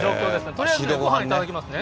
とりあえずごはん頂きますね。